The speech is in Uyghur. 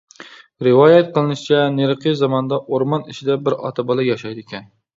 رىۋايەت قىلىنىشىچە، نېرىقى زاماندا ئورمان ئىچىدە بىر ئاتا-بالا ياشايدىكەن.